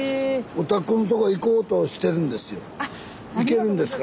おたくのとこ行こうとしてるんですよ。